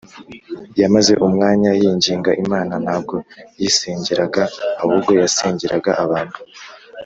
yamaze umwanya yinginga imana ntabwo yisengeraga ahubwo yasengeraga abantu